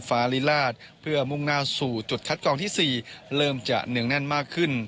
ฟ้าลิราชเพื่อมุ่งหน้าสู่จุดคัดกรองที่๔เริ่มจะเนืองแน่นมากขึ้น